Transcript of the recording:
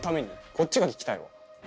こっちが聞きたいわ。